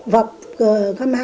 vọc cơ căm hàm